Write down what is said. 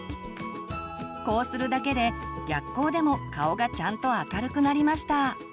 こうするだけで逆光でも顔がちゃんと明るくなりました。